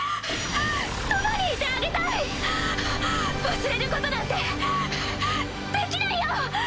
忘れることなんてはぁはぁできないよ！